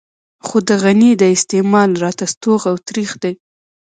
خو د غني د استعمال راته ستوغ او ترېخ دی.